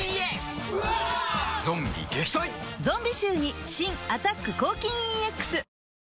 ゾンビ臭に新「アタック抗菌ＥＸ」